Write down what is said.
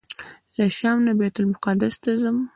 له شام نه بیت المقدس ته ځم.